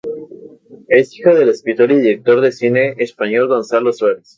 Es hija del escritor y director de cine español Gonzalo Suárez.